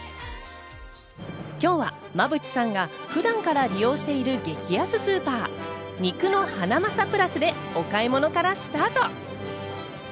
今日は馬淵さんが普段から利用している激安スーパー・肉のハナマサＰＬＵＳでお買い物からスタート。